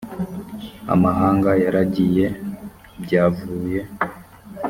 amahanga yaragiye b yavuye